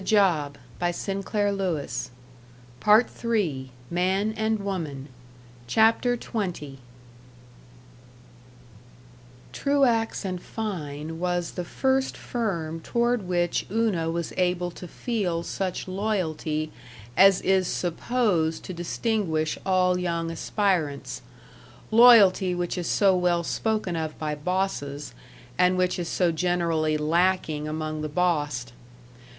"Rot," said Chas., and amiably chucked her under the chin. CHAPTER XX Truax & Fein was the first firm toward which Una was able to feel such loyalty as is supposed to distinguish all young aspirants loyalty which is so well spoken of by bosses, and which is so generally lacking among the bossed.